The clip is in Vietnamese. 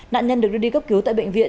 nạn nhân được đưa đi cấp cứu tại bệnh viện